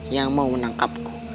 yang mau menangkapku